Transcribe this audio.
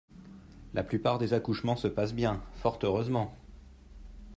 La plupart des accouchements se passent bien, fort heureusement.